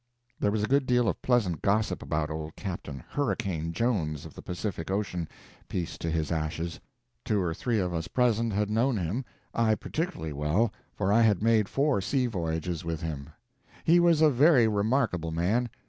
There was a good deal of pleasant gossip about old Captain "Hurricane" Jones, of the Pacific Ocean peace to his ashes! Two or three of us present had known him; I particularly well, for I had made four sea voyages with him. He was a very remarkable man.